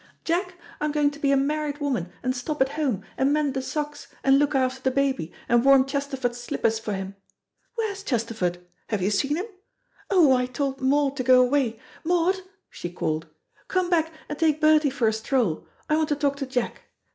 Jack, I'm going to be a married woman, and stop at home, and mend the socks, and look after the baby, and warm Chesterford's slippers for him. Where's Chesterford? Have you seen him? Oh, I told Maud to go away. Maud," she called, "come back and take Bertie for a stroll: I want to talk to Jack.